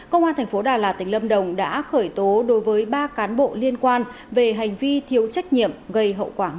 công an thành phố đà lạt tỉnh lâm đồng đã khởi tố đối với ba cán bộ liên quan về hành vi thiếu trách nhiệm gây hậu quả